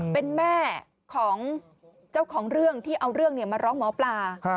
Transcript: เป็นแม่ของเจ้าของเรื่องที่เอาเรื่องมาร้องหมอปลา